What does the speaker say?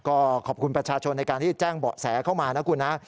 ก็ขอบคุณประชาชนในการที่แจ้งเบาะแสเข้ามานะคุณนะ